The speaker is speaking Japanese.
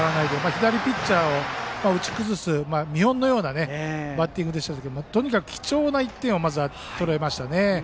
左ピッチャーを打ち崩す見本のようなバッティングでしたがとにかく貴重な１点をまず取れましたね。